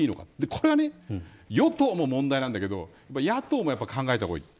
これは与党も問題なんだけど野党も考えた方がいい。